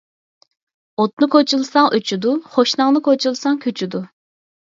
ئوتنى كوچىلىساڭ ئۆچىدۇ، قوشناڭنى كوچىلىساڭ كۆچىدۇ.